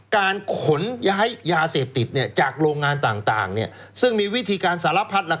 การขนย้ายยาเสพติดจากโรงงานต่างซึ่งมีวิธีการสารพัด